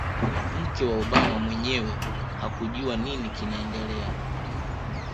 mke wa Obama mwenyewe hakujua nini kinaendelea